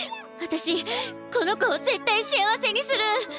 私この子を絶対幸せにする。